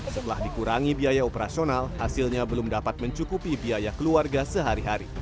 setelah dikurangi biaya operasional hasilnya belum dapat mencukupi biaya keluarga sehari hari